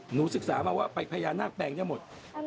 ศึกษามาว่าไปพญานาคแปลงได้หมด